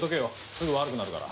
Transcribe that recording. すぐ悪くなるから。